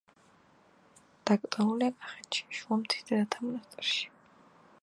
დაკრძალულია კახეთში, შუამთის დედათა მონასტერში.